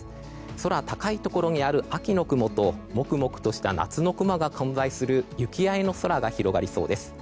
空高いところにある秋の雲ともくもくとした夏の雲が混在するゆき合いの空が広がりそうです。